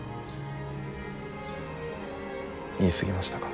言い過ぎましたか。